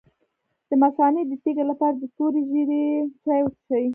د مثانې د تیږې لپاره د تورې ږیرې چای وڅښئ